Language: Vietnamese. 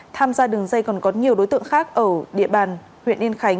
tham gia đường dây còn có nhiều đối tượng khác ở địa bàn huyện yên khánh